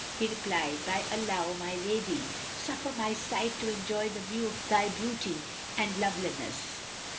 He replied, "By Allah, O my lady, suffer my sight to enjoy the view of thy beauty and loveliness."